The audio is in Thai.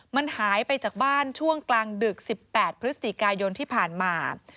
มันหายไปจากบ้านช่วงกลางดึก๑๘พฤศจิกายนที่ผ่านมา